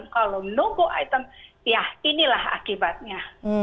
kalau menunggu item ya inilah akibatnya